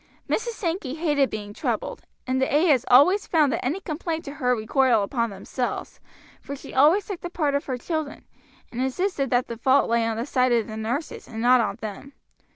Mrs. Sankey hated being troubled, and the ayahs always found that any complaints to her recoiled upon themselves, for she always took the part of her children, and insisted that the fault lay on the side of the nurses and not on them.